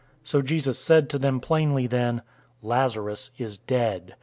011:014 So Jesus said to them plainly then, "Lazarus is dead.